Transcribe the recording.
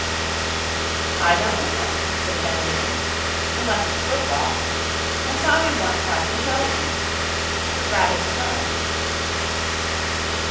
'I don't know,' said Bannister, 'unless it's football. I saw him once watching Chelsea. I was rather surprised.'